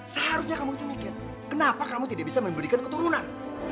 seharusnya kamu itu mikir kenapa kamu tidak bisa memberikan keturunan